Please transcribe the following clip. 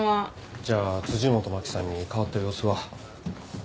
じゃあ辻本マキさんに変わった様子は？